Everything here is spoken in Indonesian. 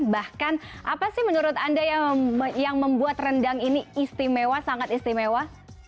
bahkan apa sih menurut anda yang membuat rendang ini istimewa sangat istimewa